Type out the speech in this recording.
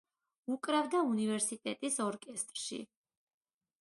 უკრავდა უნივერსიტეტის ორკესტრში.